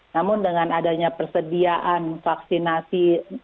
namun dengan adanya persediaan vaksinasi